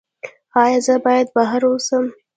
ایا زه باید بهر اوسم؟